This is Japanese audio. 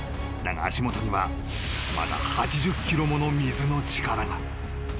［だが足元にはまだ８０キロもの水の力が］